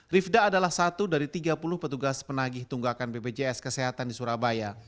rifda adalah satu dari tiga puluh petugas penagih tunggakan bpjs kesehatan di surabaya